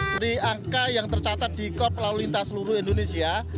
dari angka yang tercatat di korp lalu lintas seluruh indonesia